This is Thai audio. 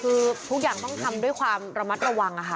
คือทุกอย่างต้องทำด้วยความระมัดระวังค่ะ